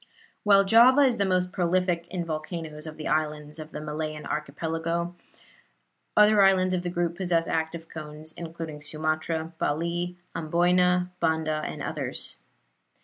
While Java is the most prolific in volcanoes of the islands of the Malayan Archipelago, other islands of the group possess active cones, including Sumatra, Bali, Amboyna, Banda and others.